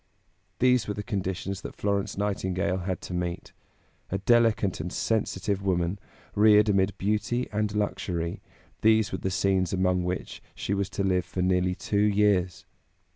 These were the conditions that Florence Nightingale had to meet. A delicate and sensitive woman, reared amid beauty and luxury, these were the scenes among which she was to live for nearly two years.